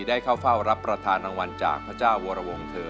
ได้เข้าเฝ้ารับประทานรางวัลจากพระเจ้าวรวงเธอ